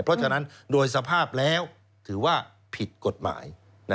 เพราะฉะนั้นโดยสภาพแล้วถือว่าผิดกฎหมาย